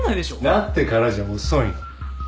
なってからじゃ遅いの。